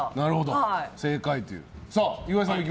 正解という。